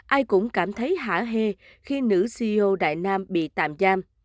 ai cũng cảm thấy hạ hê khi nữ ceo đại nam bị tạm giam